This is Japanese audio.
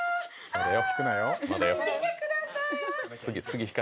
まだよ